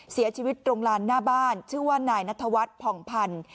เสียชีวิตตรงลานหน้าบ้านชื่อว่านายนัทวัฒน์ผ่องพันธ์